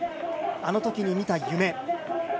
あのときに見た夢。